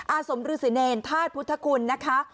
อาสมฤษีเนรธาตุพุทธคุณนะคะ